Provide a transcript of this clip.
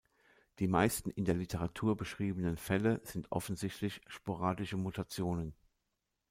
Die meisten in der Literatur beschriebenen Fälle sind offensichtlich sporadische Mutationen.